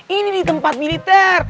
ini di tempat militer